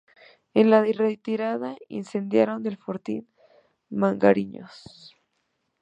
En la retirada incendiaron el fortín Magariños.